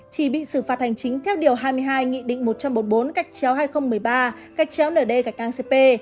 chỉ bị xử phạt hành chính theo điều hai mươi hai nghị định một trăm một mươi bốn cách chéo hai nghìn một mươi ba cách chéo nld cách an cp